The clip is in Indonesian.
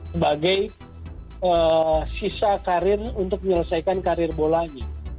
sebagai sisa karir untuk menyelesaikan karir bolanya